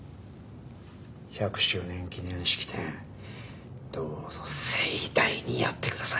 １００周年記念式典どうぞ盛大にやってください。